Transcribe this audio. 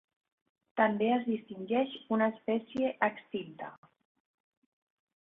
També es distingeix una espècie extinta.